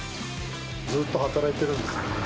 ずっと働いてるんですね。